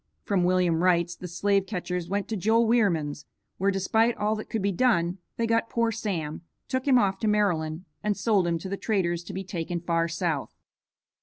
From William Wright's the slave catchers went to Joel Wierman's, where, despite all that could be done, they got poor Sam, took him off to Maryland and sold him to the traders to be taken far south.